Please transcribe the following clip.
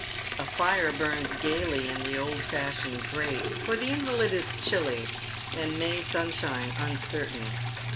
A fire bums gaily in the old fashioned grate ; for the invalid is chilly, and May sunshine uncertain.